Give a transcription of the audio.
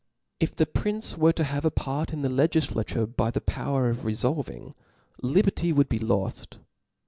If the prince were to have a part in the Icgifla. tore by the power of refolving, liberty would be loft.